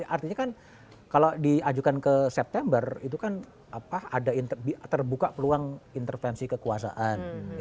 artinya kan kalau diajukan ke september itu kan ada terbuka peluang intervensi kekuasaan